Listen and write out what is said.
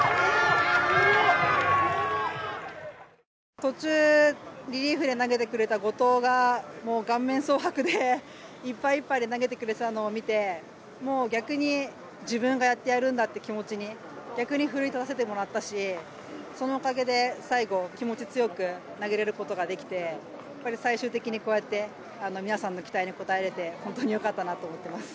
途中、リリーフで投げてくれた後藤が、もう顔面蒼白で、いっぱいいっぱいで投げてくれてたのを見て、もう逆に、自分がやってやるんだっていう気持ちに、逆に奮い立たせてもらったし、そのおかげで最後、気持ち強く投げれることができて、やっぱり最終的に、こうやって皆さんの期待に応えれて、本当によかったなと思ってます。